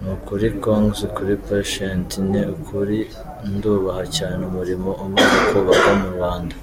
Ni ukuri Congz kuri Patient ni ukuri ndubaha cyane umurimo umaze kubaka mu Rwanda.